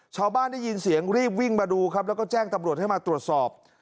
ชาวบ้านได้ยินเสียงรีบวิ่งมาดูครับแล้วก็แจ้งตำรวจให้มาตรวจสอบ